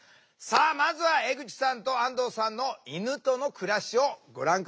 さあまずは江口さんと安藤さんの犬との暮らしをご覧下さい。